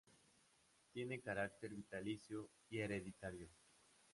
Tiene carácter vitalicio y hereditario.